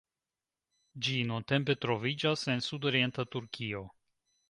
Ĝi nuntempe troviĝas en sudorienta Turkio.